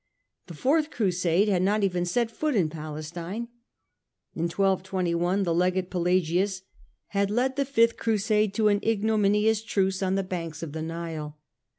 The Fourth Crusade had not even set foot in Palestine. In 1221 the Legate Pelagius had led the Fifth Crusade to an ignominious truce on the banks of the Nile.